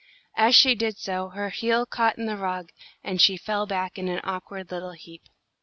As she did so, her heel caught in the rug, and she fell back in an awkward little heap.